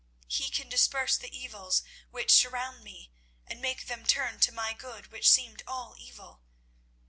He can disperse the evils which surround me, and make them turn to my good which seemed all evil.